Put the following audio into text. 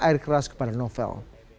air keras kepada novel